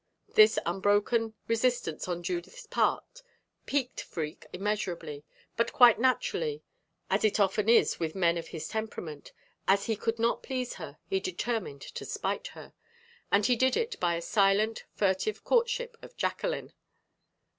This unbroken resistance on Judith's part piqued Freke immeasurably; but quite naturally, as it often is with men of his temperament, as he could not please her, he determined to spite her and he did it by a silent, furtive courtship of Jacqueline.